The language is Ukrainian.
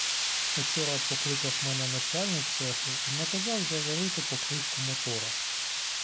Учора покликав мене начальник цеху й наказав заварити покришку мотора.